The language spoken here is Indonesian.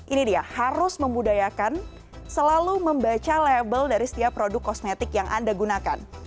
ini dia harus membudayakan selalu membaca label dari setiap produk kosmetik yang anda gunakan